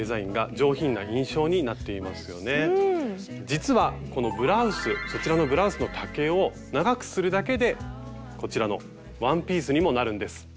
実はこのブラウスそちらのブラウスの丈を長くするだけでこちらのワンピースにもなるんです。